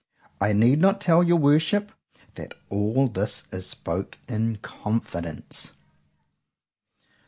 —I need not tell your worship, that all this is spoke in confidence.